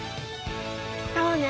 そうね！